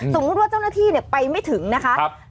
สมมุติว่าเจ้าหน้าที่ไปไม่ถึงนะคะ